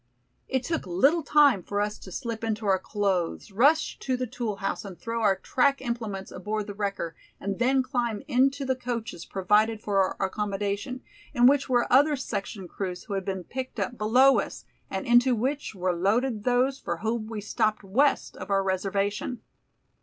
It took little time for us to slip into our clothes, rush to the tool house and throw our track implements aboard the wrecker, and then climb into the coaches provided for our accommodation, in which were other section crews who had been picked up below us, and into which were loaded those for whom we stopped west of our reservation.